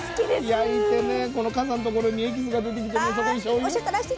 焼いてねこの傘のところにエキスが出てきてそこにしょうゆ？